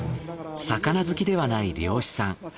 魚好きではない漁師さん。